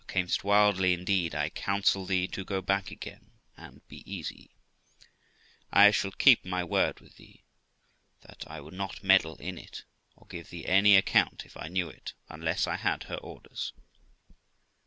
Qu. Thou cam'st wildly, indeed; I counsel thee to go back again, and be easy ; I shall keep my word with thee, that I would not meddle in it, or give thee any account, if I knew it, unless I had her orders.